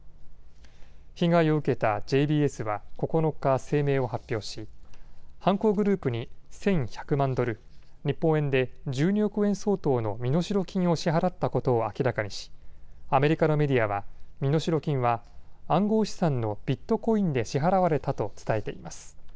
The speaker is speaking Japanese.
被害を受けたＪＢＳは９日声明を発表し犯行グループに１１００万ドル、日本円で１２億円相当の身代金を支払ったことを明らかにしアメリカのメディアは身代金は暗号資産のビットコインで支払われたと伝えています。